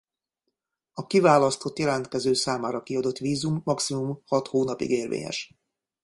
A kiválasztott jelentkező számára kiadott vízum maximum hat hónapig érvényes.